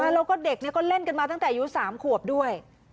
แล้วก็เด็กก็เล่นกันมาตั้งแต่อายุ๓ขวบด้วย